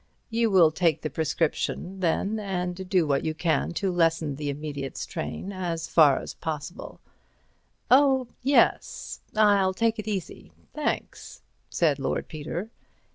You will take the prescription, then, and do what you can to lessen the immediate strain as far as possible." "Oh, yes—I'll take it easy, thanks," said Lord Peter.